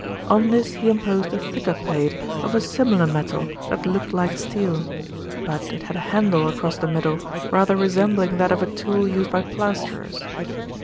On this he imposed a thicker plate of a similar metal that looked like steel; but it had a handle across the middle, rather resembling that of a tool used by plasterers.